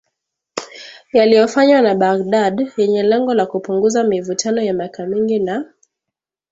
yaliyofanywa na Baghdad yenye lengo la kupunguza mivutano ya miaka mingi na